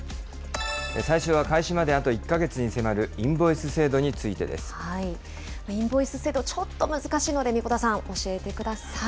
最初は、開始まであと１か月に迫インボイス制度、ちょっと難しいので、神子田さん、教えてください。